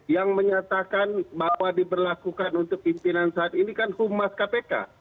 yang menyatakan bahwa diberlakukan untuk pimpinan saat ini kan humas kpk